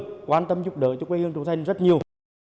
và bạc đã có quan tâm giúp đỡ cho quê hương trở thành rất nhiều